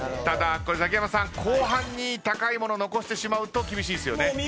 ただこれザキヤマさん後半に高いもの残してしまうと厳しいっすよね。